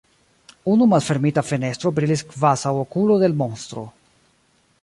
Unu malfermita fenestro brilis kvazaŭ okulo de l' monstro.